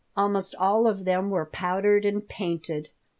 Almost all of them were powdered and painted.